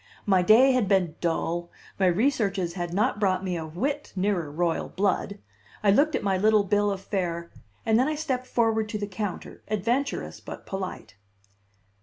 My day had been dull, my researches had not brought me a whit nearer royal blood; I looked at my little bill of fare, and then I stepped forward to the counter, adventurous, but polite.